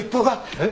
えっ？